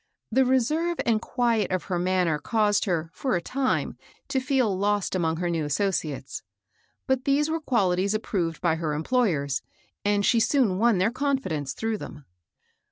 The reserve and quiet of her man ner caused her, for a time, to feel lost among her new associates ; but these were quaUties approved by her employers, and she soon won their confi dence through them.